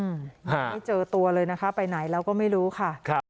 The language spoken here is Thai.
ไม่เจอตัวเลยนะคะไปไหนแล้วก็ไม่รู้ค่ะครับ